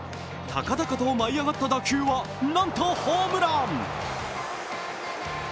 高々と舞い上がった打球は、なんとホームラン。